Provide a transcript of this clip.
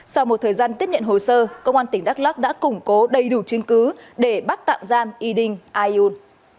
sau một thời gian tiếp nhận hồ sơ công an tỉnh đắk lắc đã củng cố đầy đủ chứng cứ để bắt tạm giam y ding a yun